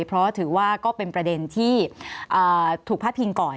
เพราะถือว่าก็เป็นประเด็นที่ถูกพาดพิงก่อน